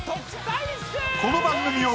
この番組を